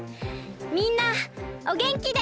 みんなおげんきで！